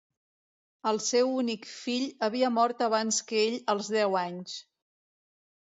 El seu únic fill havia mort abans que ell als deu anys.